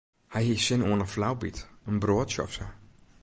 Hy hie sin oan in flaubyt, in broadsje of sa.